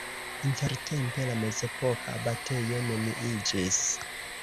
Intertempe la mezepoka abatejo neniiĝis.